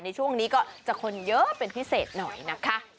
ในช่วงนี้ก็จะคนเยอะเป็นพิเศษหน่อยนะคะ